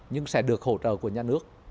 nhưng sẽ được hỗ trợ của nhà nước